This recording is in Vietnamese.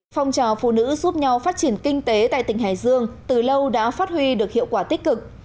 phong trào phụ nữ giúp nhau phát triển kinh tế tại tỉnh hải dương từ lâu đã phát huy được hiệu quả tích cực